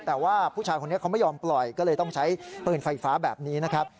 แต่ว่าผู้ชายคนนี้เขาไม่ยอมปล่อยก็เลยต้องใช้ปืนไฟฟ้าแบบนี้นะครับ